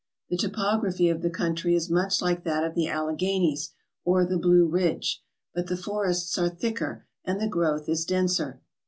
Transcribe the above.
The topography of the country is much like that of the Alleghanies or the Blue Ridge, but the forests are thicker and the growth is denser.